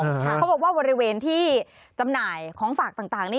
เขาบอกว่าบริเวณที่จำหน่ายของฝากต่างนี้